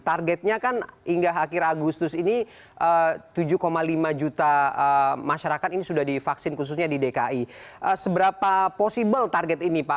target ini masih tidak mungkin pak